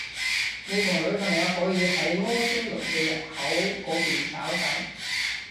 你同女朋友可以喺摩天輪嘅入口嗰邊稍等